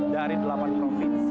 dari delapan provinsi